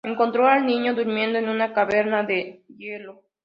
Encontró al niño durmiendo en una caverna de hielo.